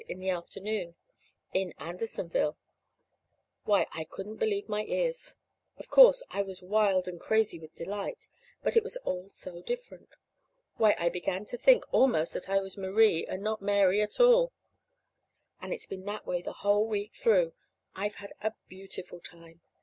in the afternoon. In Andersonville! Why, I couldn't believe my ears. Of course, I was wild and crazy with delight but it was all so different. Why, I began to think almost that I was Marie, and not Mary at all. And it's been that way the whole week through. I've had a beautiful time.